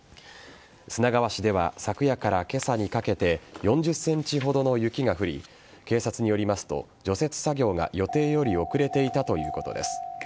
砂川市では昨夜から今朝にかけて４０ｃｍほどの雪が降り警察によりますと、除雪作業が予定より遅れていたということです。